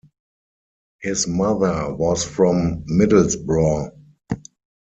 His mother was from Middlesbrough.